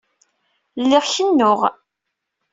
Lliɣ kennuɣ.